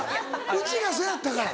うちがそうやったから。